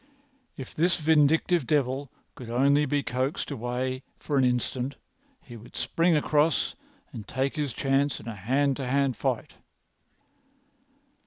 If this vindictive devil could only be coaxed away for an instant he would spring across and take his chance in a hand to hand fight.